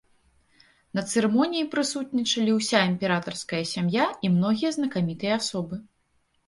На цырымоніі прысутнічалі ўся імператарская сям'я і многія знакамітыя асобы.